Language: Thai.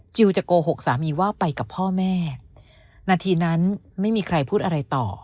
จะโกหกสามีว่าไปกับพ่อแม่นาทีนั้นไม่มีใครพูดอะไรต่อ